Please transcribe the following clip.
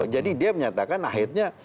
jadi dia menyatakan akhirnya